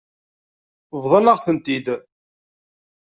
Bḍan-aɣ-ten-id.